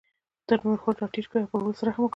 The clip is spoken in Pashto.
نرخونه را ټیټ کړي او پر ولس رحم وکړي.